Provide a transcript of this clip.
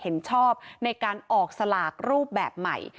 เห็นชอบในการออกสลากรูปแบบใหม่